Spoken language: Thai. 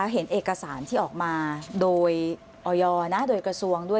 เห็นเอกสารที่ออกมาโดยออยโดยกระทรวงด้วย